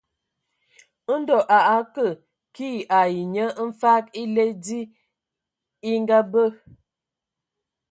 Ndɔ a akə kii ai nye mfag èle dzi e ngabe.